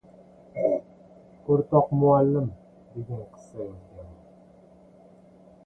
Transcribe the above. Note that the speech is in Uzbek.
o‘rtoq muallim!” degan qissa yozganman.